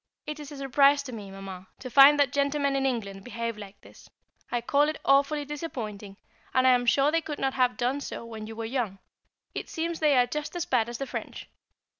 It is a surprise to me, Mamma, to find that gentlemen in England behave like this, I call it awfully disappointing, and I am sure they could not have done so when you were young, it seems they are just as bad as the French.